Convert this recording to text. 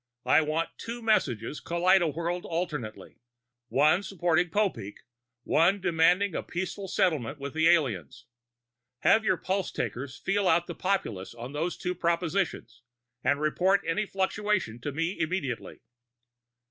I want two messages kaleidowhirled alternately: one supporting Popeek, one demanding a peaceful settlement with the aliens. Have your pulse takers feel out the populace on those two propositions, and report any fluctuation to me immediately."